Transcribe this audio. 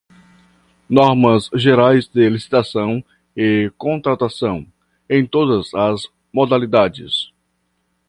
normas gerais de licitação e contratação, em todas as modalidades